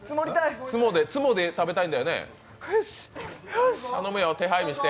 ツモで食べたいんだよね。